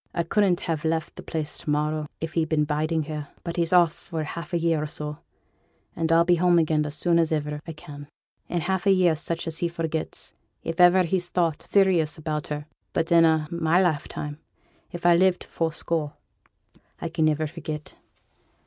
I couldn't ha' left the place to morrow if he'd been biding here; but he's off for half a year or so, and I'll be home again as soon as iver I can. In half a year such as he forgets, if iver he's thought serious about her; but in a' my lifetime, if I live to fourscore, I can niver forget.